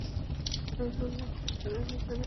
হাবিবউল্লাহ খান আরো আলোচনা চালাতে ইচ্ছুক ছিলেন।